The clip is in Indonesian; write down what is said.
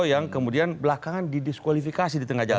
yang kemudian belakangan didiskualifikasi di tengah jalan